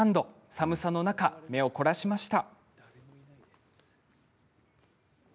寒さの中、目を凝らしました。